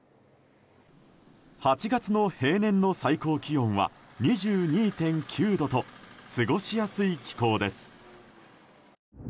８月の平年の最高気温は２２．９度と過ごしやすい気候です。